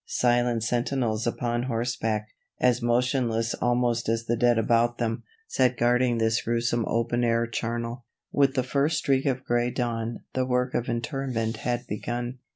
Silent sentinels upon horseback, as motionless almost as the dead about them, sat guarding this gruesome open air charnel. With the first streak of gray dawn the work of interment had begun.